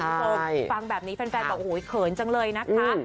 เพราะว่าฟังแบบนี้แฟนบอกโหเขินจังเลยนะครับ